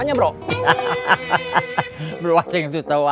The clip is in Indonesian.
mau buru buru malam mingguan sama bu yola